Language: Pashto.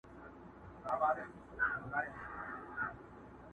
ته چي را سره یې له انار سره مي نه لګي!